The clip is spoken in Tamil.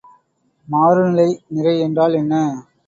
மாறுநிலை நிறை என்றால் என்ன?